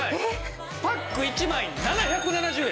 パック１枚７７０円。